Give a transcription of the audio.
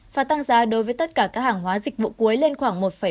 và tăng giá đối với tất cả các hàng hóa dịch vụ cuối lên khoảng một năm